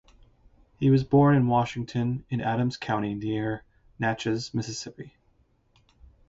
He was born in Washington in Adams County near Natchez, Mississippi.